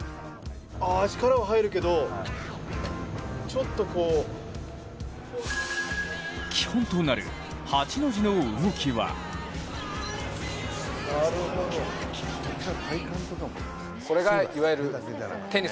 ああ力は入るけど、ちょっとこう基本となる８の字の動きはお、もう自分でいってる。